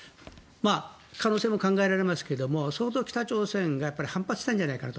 可能性も考えられますが相当、北朝鮮が反発したんじゃないかなと。